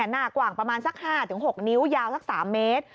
หน้ากว้างประมาณสัก๕๖นิ้วยาวสัก๓เมตร